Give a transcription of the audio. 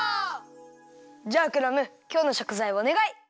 じゃあクラムきょうのしょくざいをおねがい！